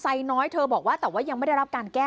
สุดทนแล้วกับเพื่อนบ้านรายนี้ที่อยู่ข้างกัน